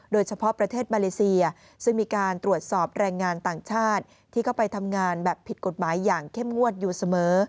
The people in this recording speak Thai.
โดยเฉพาะประเทศมาเลเซียซึ่งมีการตรวจสอบแรงงานต่างชาติที่เข้าไปทำงานแบบผิดกฎหมายอย่างเข้มงวดอยู่เสมอ